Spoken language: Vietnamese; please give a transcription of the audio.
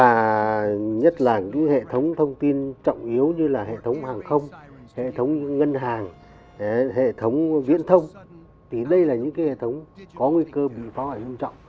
và nhất là những hệ thống thông tin trọng yếu như là hệ thống hàng không hệ thống ngân hàng hệ thống viễn thông thì đây là những hệ thống có nguy cơ bị phá hoại nghiêm trọng